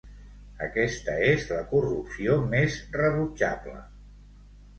Aquesta és la corrupció més rebutjable!